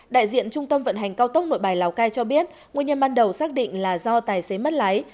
đại diện trung tâm vận hành cao tốc nội bài lào cai cho biết nguyên nhân ban đầu xác định là do tài xế mất lái